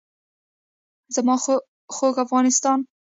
زما خوږ افغانستان.